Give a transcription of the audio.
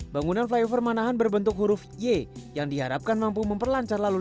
bangunan flyover manahan berbentuk huruf y yang diharapkan mampu memperlancar lalu lintas